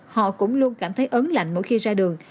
họ cũng luôn cảm thấy ấn lạnh mỗi khi ra đường